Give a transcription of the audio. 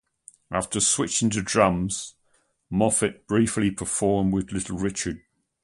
After switching to drums, Moffett briefly performed with Little Richard.